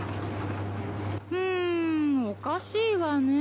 うんおかしいわねぇ。